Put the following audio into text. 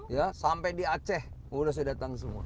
ya sampai di aceh udah saya datang semua